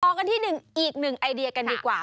ต่อกันที่๑อีก๑ไอเดียกันดีกว่า